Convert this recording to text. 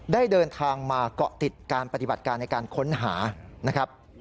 ได้เดินทางมาเกาะติดการปฏิบัติการในการค้นหานะครับ